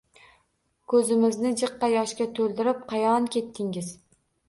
Koʻzimizni jiqqa yoshga toʻldirib qayon ketdingiz?!